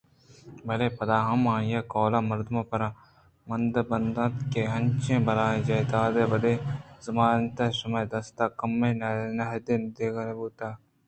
بلئے پدا ہم آئی ءِ کہول ءِ مردم پگر مند بنت کہ انچکیں بلاہیں جائیداِدا بیدئے چہ ضمانت ءَ شمئے دست ءَ کمیں نہادے ءَ دیگ بوتگ